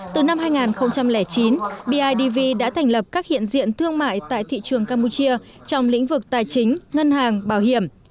từ năm hai nghìn chín bidv đã thành lập các hiện diện thương mại tại thị trường campuchia trong lĩnh vực tài chính ngân hàng bảo hiểm